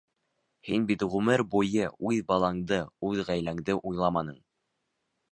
Һин бит ғүмер буйы үҙ балаңды, үҙ ғаиләңде уйламаның!